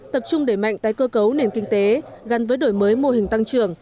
tập trung đẩy mạnh tái cơ cấu nền kinh tế gắn với đổi mới mô hình tăng trưởng